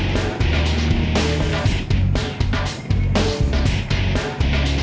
jangan lagi begini ya